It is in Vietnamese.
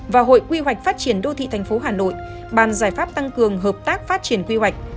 và hội quy hoạch phát triển đô thị thành phố hà nội bàn giải pháp tăng cường hợp tác phát triển quy hoạch